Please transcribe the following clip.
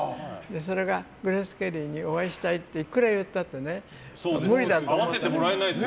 それがグレース・ケリーにお会いしたいっていくら言ったって無理だと思って。